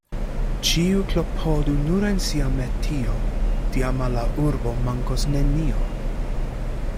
Ĉiu klopodu nur en sia metio, tiam al la urbo mankos nenio.